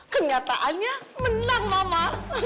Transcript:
kenyataannya menang mama